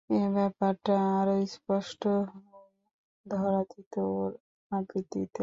এ ব্যাপারটা আরো স্পষ্ট হয়ে ধরা দিত ওর আবৃত্তিতে।